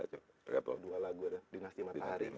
berapa dua lagu ada dinasti matahari